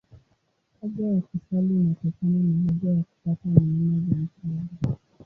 Haja ya kusali inatokana na haja ya kupata neema za msaada.